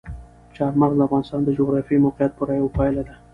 چار مغز د افغانستان د جغرافیایي موقیعت پوره یوه پایله ده.